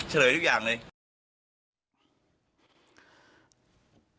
ครับ